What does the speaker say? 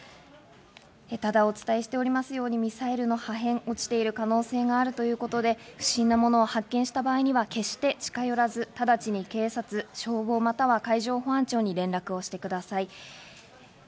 ただお伝えしておりますようにミサイルの破片が落ちてる可能性があるということで、不審な物を発見した場合には決して近寄らず、直ちに警察、消防、または海上保安庁に連絡をしてください。